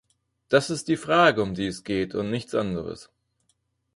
Das ist die Frage, um die es geht, und nichts anderes.